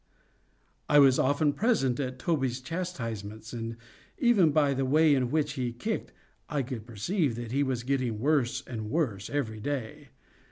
I was often present at Toby's chastisements, and, even by the way in which he kicked, I could perceive that he was getting worse and worse every day.